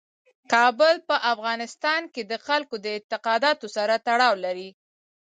کابل په افغانستان کې د خلکو د اعتقاداتو سره تړاو لري.